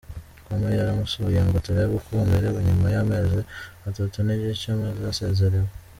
com yaramusuye ngo turebe uko amerewe nyuma y’amezi atatu n’igice amaze asezerewe.